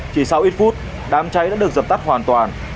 chỉ sau ít phút đám cháy đã được dập tắt hoàn toàn